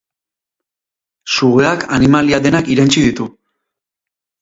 Sugeak animalia denak irentsi ditu.